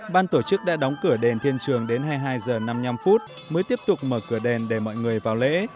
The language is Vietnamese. ban tổ chức đã đóng cửa đèn thiên trường đến hai mươi hai h năm mươi năm mới tiếp tục mở cửa đèn để mọi người vào lễ